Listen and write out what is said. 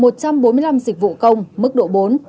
một trăm bốn mươi năm dịch vụ công mức độ bốn